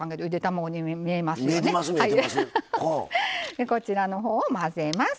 でこちらの方を混ぜます。